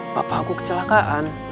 bapak aku kecelakaan